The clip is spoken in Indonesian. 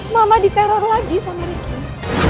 mama diteror lagi sama ricky